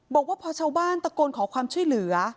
บอกว่าพอชาวบ้านตะโกนขอความช่วยเหลือ